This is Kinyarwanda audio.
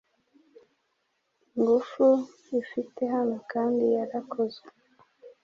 inyungu ifite hano kandi yarakozwe